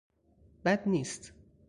بد نیست